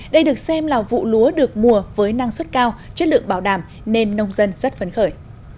đây được xem là vụ lúa được mùa với năng suất cao chất lượng bảo đảm nên nông dân rất phấn khởi